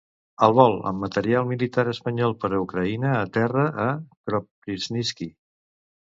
El vol amb material militar espanyol per a Ucraïna aterra a Kropivnitski.